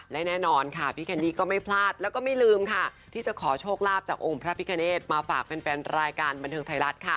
และแน่นอนค่ะพี่แคนดี้ก็ไม่พลาดแล้วก็ไม่ลืมค่ะที่จะขอโชคลาภจากองค์พระพิคเนธมาฝากแฟนรายการบันเทิงไทยรัฐค่ะ